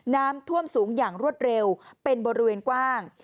น้ำท่วมสูงอย่างรวดเร็วเป็นบริเวณกว้าง